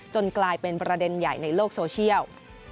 กลายเป็นประเด็นใหญ่ในโลกโซเชียล